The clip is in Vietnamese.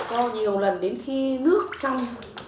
vo nhiều lần đến khi nước trong